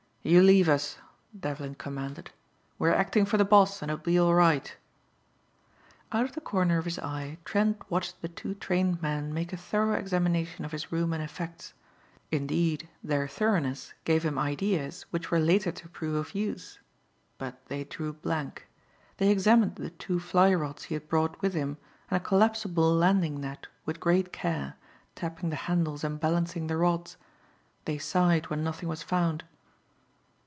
"You leave us," Devlin commanded. "We are acting for the boss and it'll be all right." Out of the corner of his eye Trent watched the two trained men make a thorough examination of his room and effects. Indeed, their thoroughness gave him ideas which were later to prove of use. But they drew blank. They examined the two fly rods he had brought with him and a collapsible landing net with great care, tapping the handles and balancing the rods. They sighed when nothing was found.